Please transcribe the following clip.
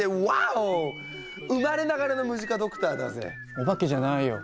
おばけじゃないよ。